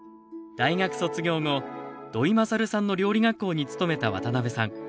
大学卒業後土井勝さんの料理学校に勤めた渡辺さん。